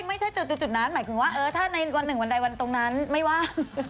ไม่ใช่จุดนั้นหมายถึงว่าถ้าในวันหนึ่งวันใดวันตรงนั้นไม่ว่าง